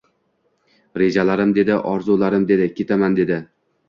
Rejalarim dedi, orzularim dedi, ketaman dedi.